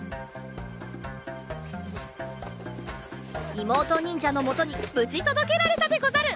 いもうとにんじゃのもとにぶじとどけられたでござる！